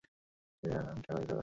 স্টেডিয়ামটি আয়তাকার।